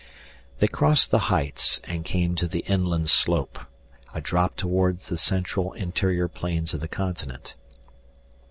They crossed the heights and came to the inland slope, a drop toward the central interior plains of the continent.